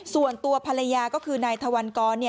ส่วนตัวภรรยาก็คือนายถวันกร